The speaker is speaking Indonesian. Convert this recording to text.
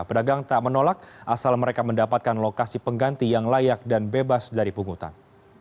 pedagang tak menolak asal mereka mendapatkan lokasi pengganti yang layak dan bebas dari pungutan